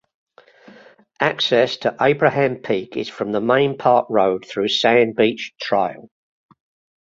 Access to Abraham Peak is from the main Park road through Sand Beach Trail.